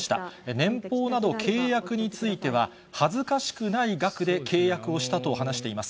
年俸など契約については、恥ずかしくない額で契約をしたと話しています。